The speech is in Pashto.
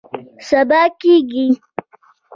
سبا کیږي